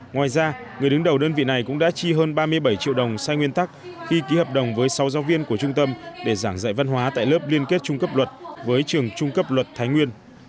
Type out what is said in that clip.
ngoài ra người đứng đầu đơn vị này cũng đã chi hơn ba mươi bảy triệu đồng sai nguyên tắc khi ký hợp đồng với sáu giáo viên của trung tâm để giảng dạy văn hóa tại lớp liên kết trung cấp luật với trường trung cấp luật thái nguyên